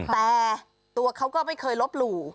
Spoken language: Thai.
แต่ตัวเขาก็ไม่เคยลบหลู่